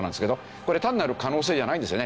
これ単なる可能性じゃないんですね。